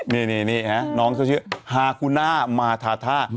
เนี้ยนี่เนี้ยน้องเค้าชื่อฮากุน่ามาธาธา